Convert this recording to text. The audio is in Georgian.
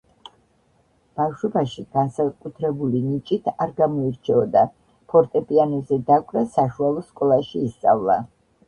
ბავშვობაში განსაკუთრებული ნიჭით არ გამოირჩეოდა, ფორტეპიანოზე დაკვრა საშუალო სკოლაში ისწავლა.